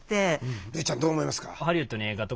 類ちゃんどう思いますか？